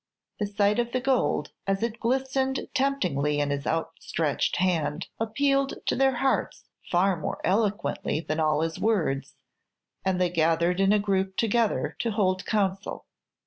The sight of the gold, as it glistened temptingly in his outstretched hand, appealed to their hearts far more eloquently than all his words, and they gathered in a group together to hold counsel.